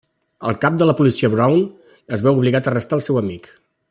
El cap de la policia Brown es veu obligat a arrestar el seu amic.